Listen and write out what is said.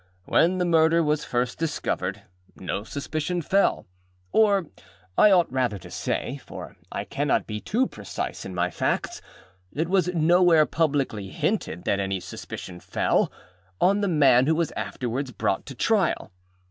When the murder was first discovered, no suspicion fellâor I ought rather to say, for I cannot be too precise in my facts, it was nowhere publicly hinted that any suspicion fellâon the man who was afterwards brought to trial.